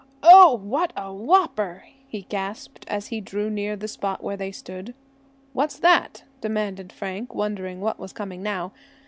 "Oh! what a whopper!" he gasped, as he drew near the spot where they stood. "What's that?" demanded Frank, wondering what was coming now.